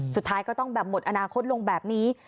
สุดท้ายก็ต้องแบบหมดอนาคตลงแบบนี้